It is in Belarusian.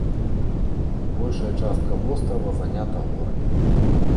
Большая частка вострава занята горамі.